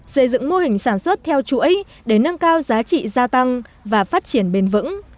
xây dựng mô hình sản xuất theo chuỗi để nâng cao giá trị gia tăng và phát triển bền vững